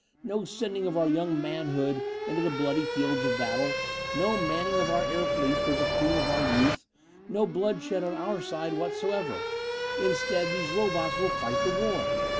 No sending of our young manhood into the bloody fields of battle; no manning of our air fleets with the cream of our youth; no bloodshed on our side whatsoever. Instead, these robots will fight the war.